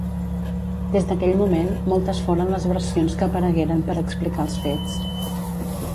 Des d'aquell moment moltes foren les versions que aparegueren per explicar els fets.